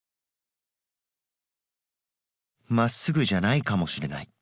「まっすぐじゃないかもしれない。